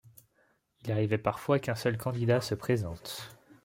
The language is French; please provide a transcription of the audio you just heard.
Il arrivait parfois qu'un seul candidat se présente.